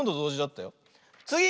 つぎ！